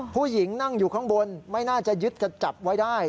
ผู้หญิงนั่งอยู่ข้างบนไม่น่าจะยึดกระจับไว้ได้